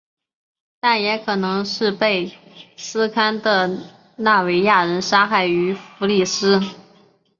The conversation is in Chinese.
但也可能是被斯堪的纳维亚人杀害于福里斯。